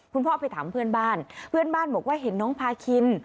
พ่อไปถามเพื่อนบ้านเพื่อนบ้านบอกว่าเห็นน้องพาคิน